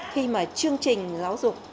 khi mà chương trình giáo dục